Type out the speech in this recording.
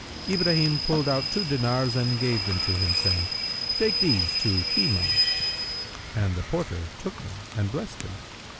Ibrahim pulled out two dinars and gave them to him, saying, "Take these to key money."[FN#307] And the porter took them and blessed him.